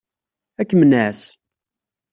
Ad kem-nɛass.